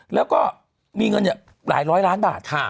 แล้วก็มีเงินหลายร้อยล้านบาท